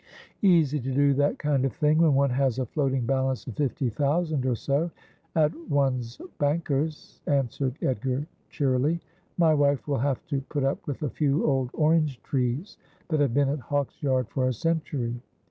' Easy to do that kind of thing when one has a floating balance of fifty thousand or so at one's bankers,' answered Edgar cheerily. ' My wife will have to put up with a few old orange trees that have been at Hawksyard for a century.'